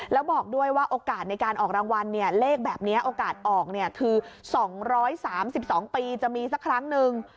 แล้วบอกด้วยว่าโอกาสในการออกรางวัลเนี่ยเลขแบบนี้โอกาสออกคือ๒๓๒ปีจะมีสักครั้งนึง